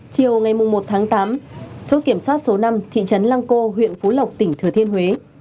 chiều ngày một tháng tám chốt kiểm soát số năm thị trấn lăng cô huyện phú lộc tỉnh thừa thiên huế